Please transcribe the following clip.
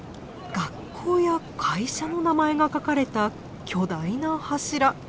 学校や会社の名前が書かれた巨大な柱。